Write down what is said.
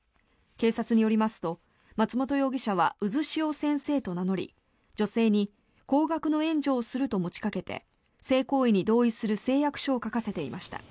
警察によりますと松本容疑者はうずしお先生と名乗り女性に高額の援助をすると持ちかけて性行為に同意する誓約書を書かせていました。